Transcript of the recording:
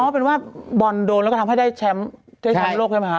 อ๋อเป็นว่าบอลโดนแล้วก็ทำให้ได้แชมป์โลกใช่ไหมคะ